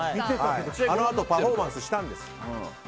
あのあとパフォーマンスしたんです。